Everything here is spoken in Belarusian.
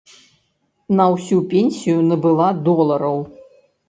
На ўсю пенсію набыла долараў.